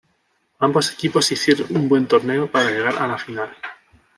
Ambos equipos hicieron un buen torneo para llegar a la final.